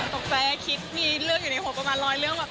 ตกใจคิดมีเรื่องอยู่ในหัวประมาณร้อยเรื่องแบบ